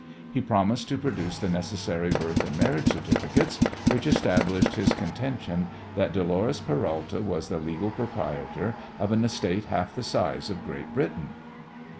He promised to produce the necessary birth and marriage certificates which established his contention that Dolores Peralta was the legal proprietor of an estate half the size of Great Britain.